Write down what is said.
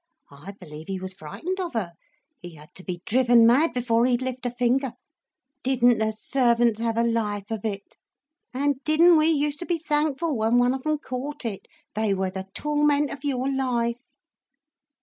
I believe he was frightened of her; he had to be driven mad before he'd lift a finger. Didn't the servants have a life of it! And didn't we used to be thankful when one of them caught it. They were the torment of your life."